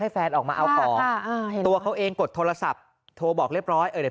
แฟนออกมาเอาของตัวเขาเองกดโทรศัพท์โทรบอกเรียบร้อยเออเดี๋ยว